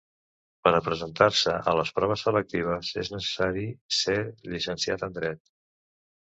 Per a presentar-se a les proves selectives és necessari ser llicenciat en Dret.